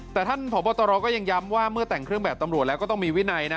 แต่ท่านผอบตรก็ยังย้ำว่าเมื่อแต่งเครื่องแบบตำรวจแล้วก็ต้องมีวินัยนะ